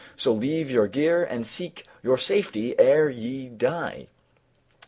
So leave your gear and seek your safety ere ye die."